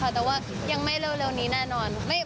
แต่ว่ายังไม่เร็วนี้แน่นอน